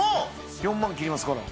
４万切りますから。